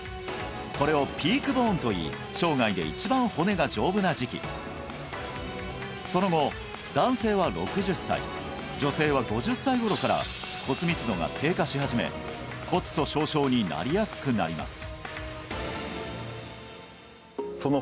これをピークボーンといい生涯で一番骨が丈夫な時期その後男性は６０歳女性は５０歳頃から骨密度が低下し始め骨粗しょう症になりやすくなります